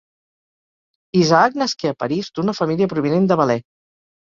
Isaac nasqué a París d'una família provinent de Valais.